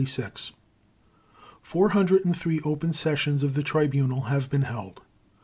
Four hundred and three open sessions of the Tribunal have been held.